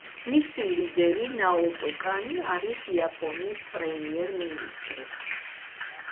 მისი ლიდერი ნაოტო კანი არის იაპონიის პრემიერ-მინისტრი.